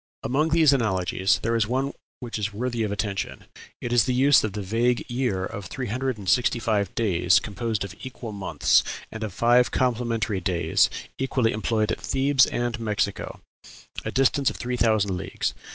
Among these analogies there is one which is worthy of attention it is the use of the vague year of three hundred and sixty five days, composed of equal months, and of five complementary days, equally employed at Thebes and Mexico a distance of three thousand leagues....